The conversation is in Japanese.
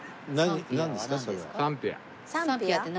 何？